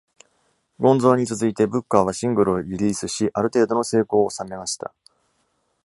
「ゴンゾー」に続いて、ブッカーはシングルをリリースし、ある程度の成功を納めました。